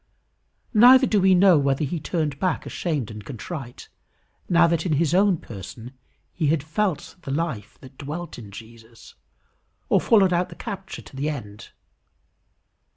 Neither do we know whether he turned back ashamed and contrite, now that in his own person he had felt the life that dwelt in Jesus, or followed out the capture to the end.